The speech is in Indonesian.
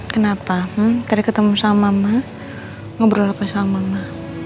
kenapa tadi ketemu sama mama ngobrol apa sama mama